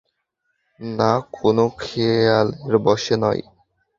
না, কোনো খেয়ালের বশে নয়।